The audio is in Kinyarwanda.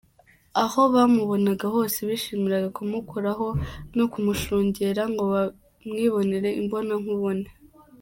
Aho bamubonaga hose bishimiraga kumukoraho, no kumushungera ngo bamwibonere imbonankubone.